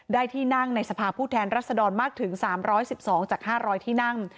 ที่นั่งในสภาพผู้แทนรัศดรมากถึง๓๑๒จาก๕๐๐ที่นั่ง